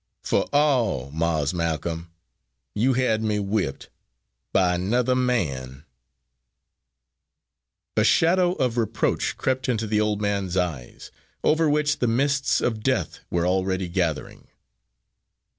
For ah, Mars' Ma'colm, you had me whipped by another man!" A shadow of reproach crept into the old man's eyes, over which the mists of death were already gathering.